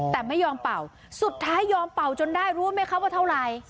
แต่ไม่ยอมเป่าสุดท้ายยอมเป่าจนได้รู้ไหมคะว่าเท่าไหร่